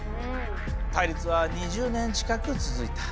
対立は２０年近く続いた。